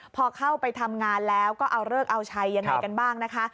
พอเข้าไปทำงานแล้วก็เอาเลิกเอาชัยยังไงกันบ้างนะคะ